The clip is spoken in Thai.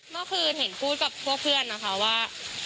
เมื่อคืนเห็นพูดกับพวกเพื่อนนะคะว่า